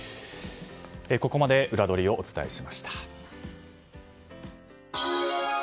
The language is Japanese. ここまでウラどりをお伝えしました。